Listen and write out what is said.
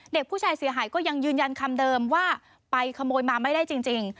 เด็กผู้ชายเสียหายก็ยังยืนยันคำเดิมว่าไปขโมยมาไม่ได้จริง